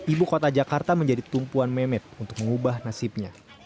ibu kota jakarta menjadi tumpuan memet untuk mengubah nasibnya